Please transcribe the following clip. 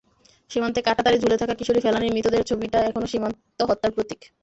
সীমান্তের কাঁটাতারে ঝুলে থাকা কিশোরী ফেলানীর মৃতদেহের ছবিটা এখনো সীমান্ত হত্যার প্রতীক।